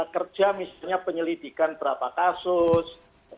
kerja misalnya penyelidikan berapa kasus